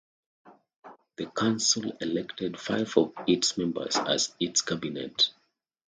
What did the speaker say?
The Council elected five of its members as its Cabinet.